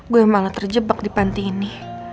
gue malah terjebak di panti ini